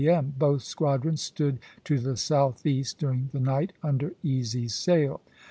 M. Both squadrons stood to the southeast during the night, under easy sail.